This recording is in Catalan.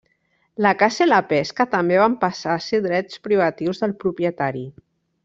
La caça i la pesca també van passar a ser drets privatius del propietari.